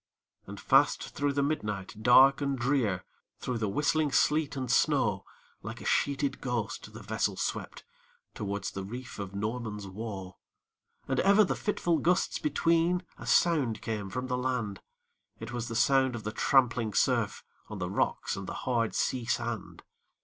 And fast through the midnight dark and drear, Through the whistling sleet and snow, Like a sheeted ghost, the vessel swept Towards the reef of Norman's Woe. And ever the fitful gusts between A sound came from the land; It was the sound of the trampling surf, On the rocks and the hard sea sand.